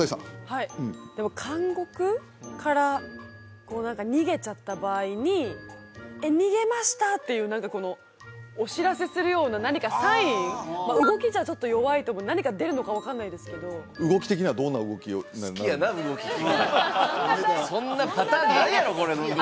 はいでも監獄から逃げちゃった場合に逃げました！っていうこのお知らせするような何かサイン動きじゃちょっと弱いと思う何か出るのか分かんないですけど動き的にはそんなパターンないやろこれの動き